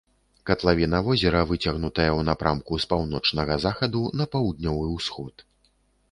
Катлавіна возера выцягнутая ў напрамку з паўночнага захаду на паўднёвы ўсход.